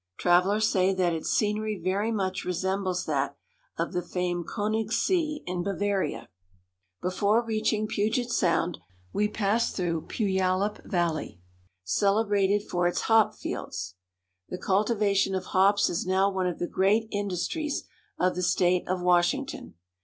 Travelers say that its scenery very much resembles that of the famous Konigs See in Bavaria. Before reaching Puget Sgund, we pass through Puyallup Valley, celebrated for its hop fields. The cultivation of hops is now one of the great industries of the state of Washington.